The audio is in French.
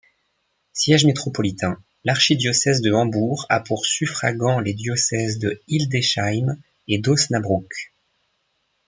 Siège métropolitain, l'archidiocèse de Hambourg a pour suffragants les diocèses de Hildesheim et d'Osnabrück.